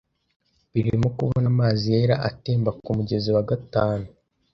Barimo kubona amazi yera atemba kumugezi wa gatanu.